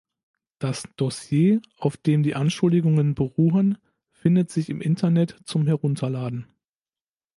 Das Dossier, auf dem die Anschuldigungen beruhen, findet sich im Internet zum Herunterladen.